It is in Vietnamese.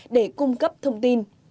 để cung cấp phương tiện